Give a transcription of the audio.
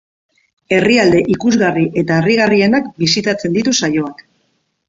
Herrialde ikusgarri eta harrigarrienak bisitatzen ditu saioak.